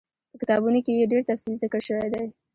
په کتابونو کي ئي ډير تفصيل ذکر شوی دی